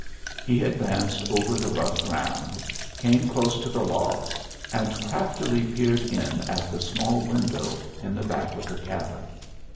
He advanced over the rough ground, came close to the logs, and craftily peered in at the small window in the back of the cabin.